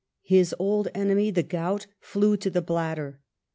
His old enemy the gout flew to the bladder.